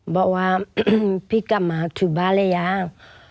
บอกว่าพี่กลับมาถึงบ้านหรือยัง